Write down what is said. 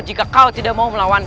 jika kau tidak mau melawan